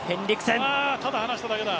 あ、ただ離しただけだ。